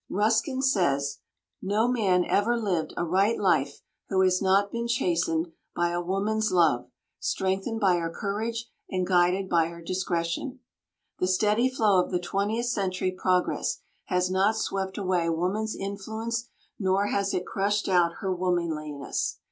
Ruskin says: "No man ever lived a right life who has not been chastened by a woman's love, strengthened by her courage and guided by her discretion." The steady flow of the twentieth century progress has not swept away woman's influence, nor has it crushed out her womanliness.